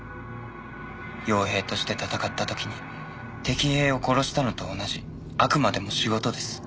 傭兵として戦った時に敵兵を殺したのと同じあくまでも仕事です。